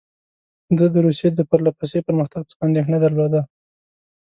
ده د روسیې د پرله پسې پرمختګ څخه اندېښنه درلوده.